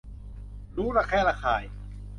รู้ระแคะระคาย